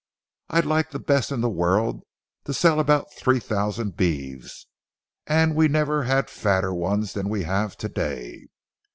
I'd like the best in the world to sell about three thousand beeves, and we never had fatter ones than we have to day.